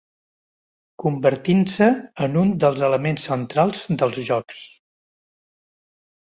Convertint-se en un dels elements centrals dels Jocs.